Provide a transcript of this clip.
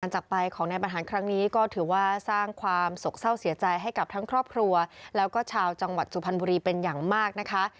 จากไปของนายบรรหารครั้งนี้ก็ถือว่าสร้างความสกเศร้าเสียใจให้กับทั้งครอบครัวแล้วก็ชาวจังหวัดสุพรรณบุรีเป็นอย่างมากนะคะ